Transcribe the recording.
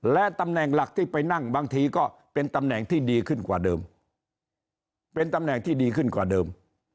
และตำแหน่งหลักที่ไปนั่งบางทีก็เป็นตำแหน่งที่ดีขึ้นกว่าเดิมเป็นตำแหน่งที่ดีขึ้นกว่าเดิม